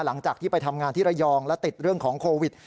หลังจากที่ไปทำงานที่ระยองและติดเรื่องของโควิด